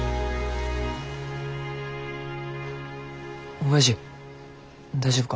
おやじ大丈夫か？